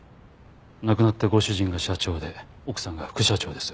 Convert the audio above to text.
亡くなったご主人が社長で奥さんが副社長です。